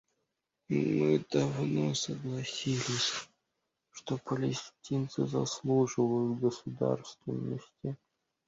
Мы давно согласились, что палестинцы заслуживают государственности.